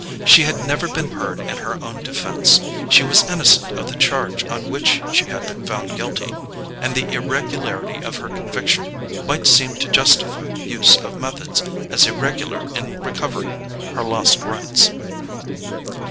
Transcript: She had never been heard in her own defence; she was innocent of the charge on which she had been found guilty; and the irregularity of her conviction might seem to justify the use of methods as irregular in recovering her lost rights.